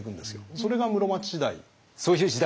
それが室町時代。